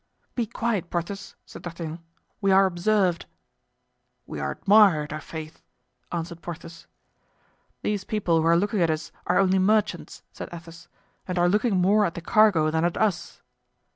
"Be quiet, Porthos," said D'Artagnan, "we are observed." "We are admired, i'faith," answered Porthos. "These people who are looking at us are only merchants," said Athos, "and are looking more at the cargo than at us."